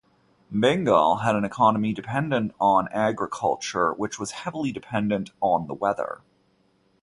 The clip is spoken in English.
Bengal had an economy dependent on agriculture which was heavily dependent on the weather.